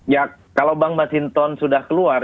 ya kalau bang mas hinton sudah keluar